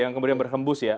yang kemudian berhembus ya